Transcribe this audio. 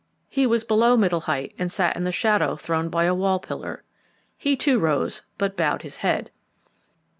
He was below middle height and sat in the shadow thrown by a wall pillar. He too rose, but bowed his head.